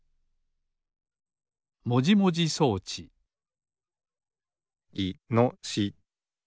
もじもじそうちいのし。